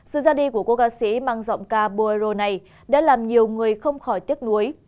sự ra đi của cô ca sĩ mang giọng ca boeiro này đã làm nhiều người không khỏi tiếc nuối